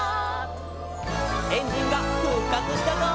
「エンジンが復活したぞ！」